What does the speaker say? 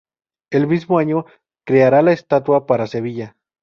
El mismo año creará la estatua para Sevilla.